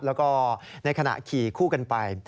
แล้วก็ในขณะขี่คู่กันไป